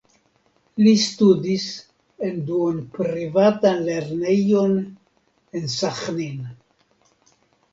Li studis en duonprivatan lernejon en Saĥnin.